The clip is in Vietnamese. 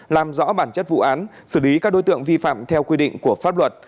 làm rõ bản chất vụ án xử lý các đối tượng vi phạm theo quy định của pháp luật